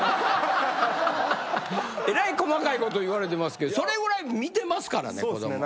えらい細かいこと言われてますけどそれぐらい見てますからね子供。